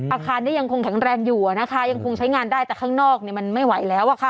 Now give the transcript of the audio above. อาคารนี้ยังคงแข็งแรงอยู่นะคะยังคงใช้งานได้แต่ข้างนอกมันไม่ไหวแล้วอะค่ะ